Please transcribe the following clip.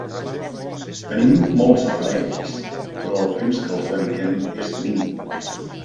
Tenim molts aparells, però el temps que els dediquem és mínim.